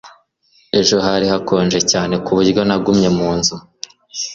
Ejo hari hakonje cyane ku buryo nagumye mu nzu